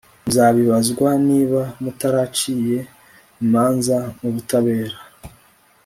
muzabibazwa niba mutaraciye imanza mu butabera